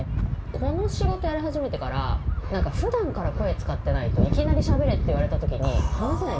この仕事やり始めてから普段から声使ってないといきなりしゃべれって言われた時に話せないんですよ。